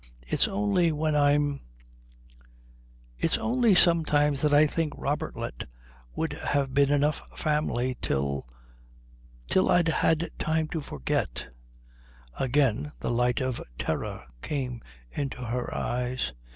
It's only when I'm it's only sometimes that I think Robertlet would have been enough family till till I'd had time to forget " Again the light of terror came into her eyes.